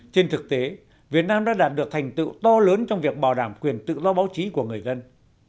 trên thực tế việt nam đã đạt được thành tựu to lớn trong việc bảo đảm quyền tự do báo chí của người dân